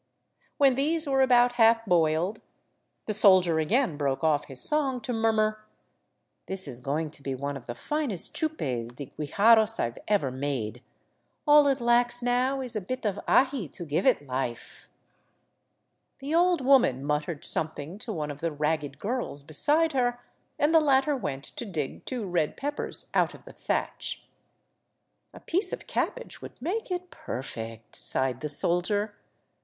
When these were about half boiled the soldier again broke oflf his song to murmur :" This is going to be one of the finest chupes de guijarros I 've ever made. All it lacks now is a bit of aji to give it life." 396 THE ROUTE OF THE CONQUISTADORES The old woman muttered something to one of the ragged girls beside her, and the latter went to dig two red peppers out of the thatch. " A piece of cabbage would make it perfect," sighed the soldier.